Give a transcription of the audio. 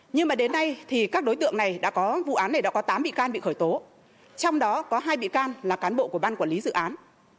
nhưng mà đến nay thì các đối tượng này đã có vụ án này đã có tám bị can bị khởi tố trong đó có hai bị can là cán bộ của ban quản lý dự án